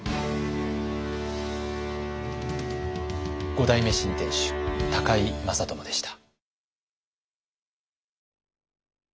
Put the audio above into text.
五代目新店主高井正智でした。